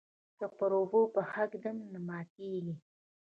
که پر اوبو پښه ږدم نه ماتیږي.